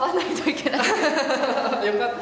よかった！